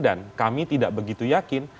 dan kami tidak begitu yakin